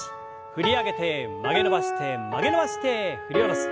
振り上げて曲げ伸ばして曲げ伸ばして振り下ろす。